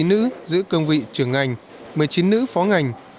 một mươi chín nữ giữ cơng vị trưởng ngành một mươi chín nữ phó ngành